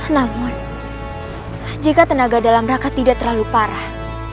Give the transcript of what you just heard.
namun jika tenaga dalam rangka tidak terlalu parah